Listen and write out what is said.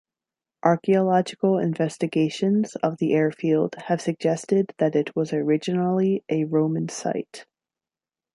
Archeological investigations of the airfield have suggested that it was originally a Roman site.